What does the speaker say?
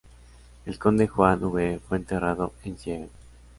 El conde Juan V fue enterrado en Siegen.